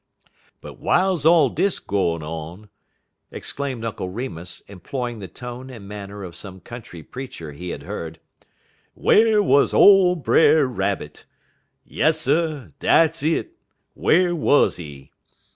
"But w'iles all dis gwine on," exclaimed Uncle Remus, employing the tone and manner of some country preacher he had heard, "whar wuz ole Brer Rabbit? Yasser dats it, whar wuz he?